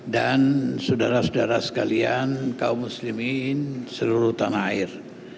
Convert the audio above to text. dan saudara saudara sekalian kaum muslimin seluruh tanah air